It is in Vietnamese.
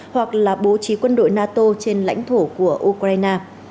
hoặc là bố trí quân đội nato trên lãnh thổ của ukraine